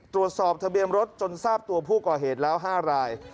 ทะเบียนรถจนทราบตัวผู้ก่อเหตุแล้ว๕ราย